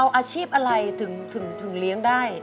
อาชีพอะไรถึงเลี้ยงได้